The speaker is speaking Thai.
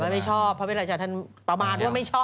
ไม่ชอบพระวิราชาท่านประมาณว่าไม่ชอบ